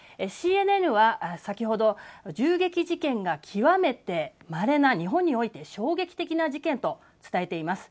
ＣＮＮは先ほど銃撃事件が極めてまれな日本において衝撃的な事件と伝えています。